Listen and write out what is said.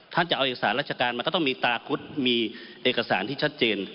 จะเอาเอกสารราชการมันก็ต้องมีตาคุดมีเอกสารที่ชัดเจน